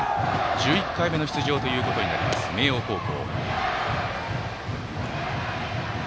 １１回目の出場となります明桜高校。